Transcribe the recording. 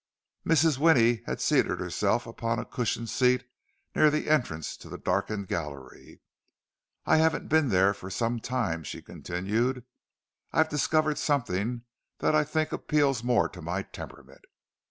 Mrs. Winnie had seated herself upon a cushioned seat near the entrance to the darkened gallery. "I haven't been there for some time," she continued. "I've discovered something that I think appeals more to my temperament.